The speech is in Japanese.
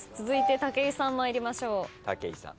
続いて武井さん参りましょう。